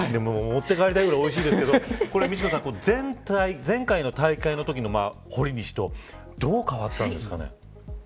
持って帰りたいぐらいおいしいですけど前回の大会のときのほりにしとどう変わったんですかね。